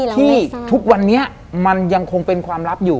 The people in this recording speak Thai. ที่ทุกวันนี้มันยังคงเป็นความลับอยู่